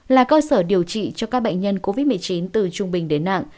là cơ sở điều trị cho các bệnh nhân covid một mươi chín từ trung bình đến nặng